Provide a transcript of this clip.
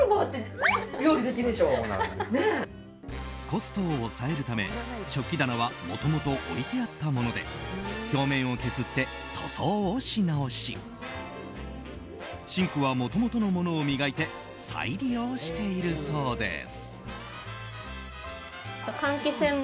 コストを抑えるため食器棚はもともと置いてあったもので表面を削って塗装をし直しシンクはもともとのものを磨いて再利用しているそうです。